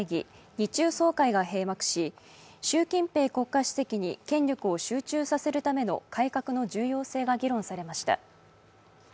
２中総会が閉幕し、習近平国家主席に権力を集中させるための改革の重要性が議論されました。